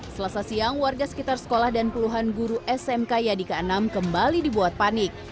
selasa siang warga sekitar sekolah dan puluhan guru smk yadika enam kembali dibuat panik